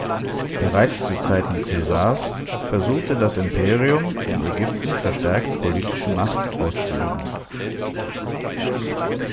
Bereits zu Zeiten Caesars versuchte das Imperium in Ägypten verstärkt politische Macht auszuüben.